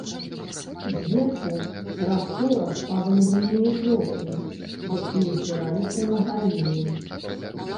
Зверху раз-пораз падалі буйныя кроплі, якія збіраліся на галлі.